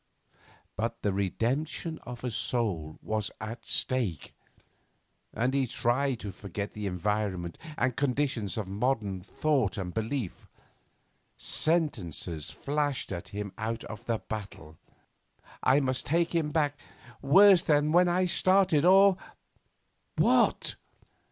But the redemption of a soul was at stake, and he tried to forget the environment and conditions of modern thought and belief. Sentences flashed at him out of the battle: 'I must take him back worse than when I started, or what?